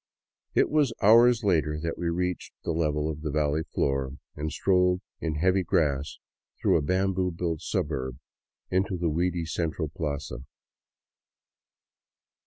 It was hours later that we reached the level of the valley floor, and strolled in heavy grass through a bamboo built suburb into the weedy central plaza.